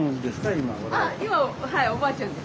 今はいおばあちゃんです。